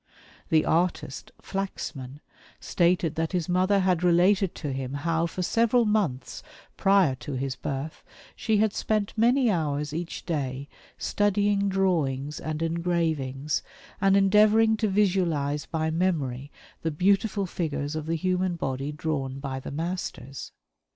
The artist, Flaxman, stated that his mother had related to him how for several months prior to his birth she had spent many hours each day studying drawings and engravings, and endeavoring to visualize by memory the beautiful figures of the human body drawn by the masters.